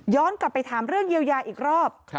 กลับไปถามเรื่องเยียวยาอีกรอบ